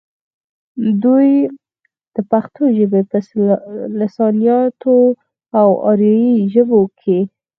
دوي د پښتو ژبې پۀ لسانياتو او اريائي ژبو کښې